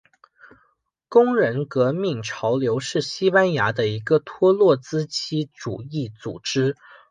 工人革命潮流是西班牙的一个托洛茨基主义组织。